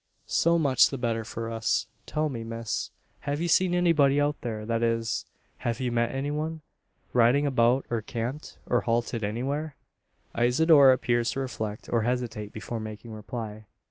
So much the better for us. Tell me, miss; have you seen anybody out here that is have you met any one, riding about, or camped, or halted anywhere?" Isidora appears to reflect, or hesitate, before making reply.